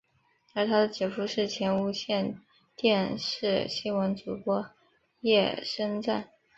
而他的姐夫是前无线电视新闻主播叶升瓒。